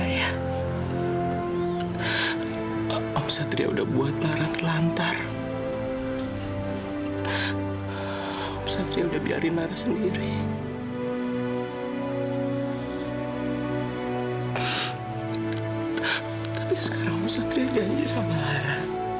tapi sekarang om satria janji sama lara